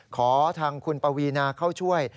ขอทางคุณปวีนาเข้าช่วย